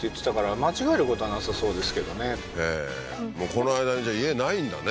この間にじゃあ家ないんだね